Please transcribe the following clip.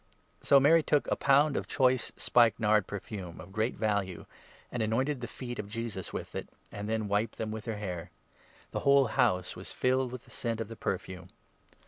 So Mary 3 took a pound of choice spikenard perfume of great value, and anointed the feet of Jesus with it, and then wiped them with her hair. The whole house was filled with the scent of the perfume.